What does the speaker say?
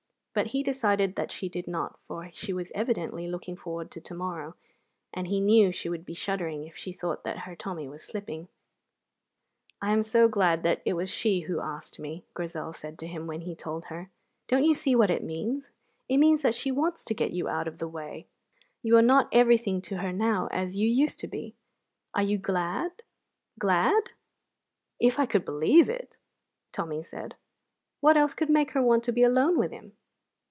But he decided that she did not, for she was evidently looking forward to to morrow, and he knew she would be shuddering if she thought her Tommy was slipping. "I am so glad it was she who asked me," Grizel said to him when he told her. "Don't you see what it means? It means that she wants to get you out of the way! You are not everything to her now as you used to be. Are you glad, glad?" "If I could believe it!" Tommy said. "What else could make her want to be alone with him?"